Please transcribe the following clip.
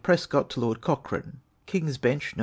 PRESCOTT TO LORD COCHRANE. King's Bench, Nov.